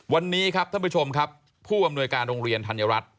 วันนี้ครับท่านผู้ชมครับผู้อำนวยการโรงเรียนธัญรัฐ